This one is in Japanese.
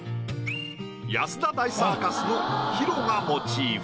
安田大サーカスのＨＩＲＯがモチーフ。